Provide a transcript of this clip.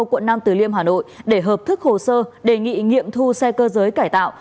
quận nam từ liêm hà nội để hợp thức hồ sơ đề nghị nghiệm thu xe cơ giới cải tạo